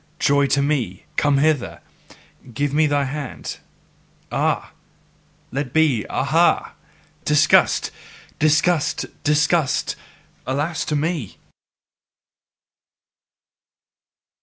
Joy to me! Come hither! Give me thy hand ha! let be! aha! Disgust, disgust, disgust alas to me!